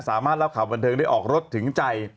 เล่าข่าวบันเทิงได้ออกรถถึงใจ